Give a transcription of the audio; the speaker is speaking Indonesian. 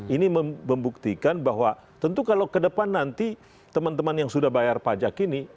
ini membuktikan bahwa tentu kalau ke depan nanti teman teman yang sudah bayar pajak ini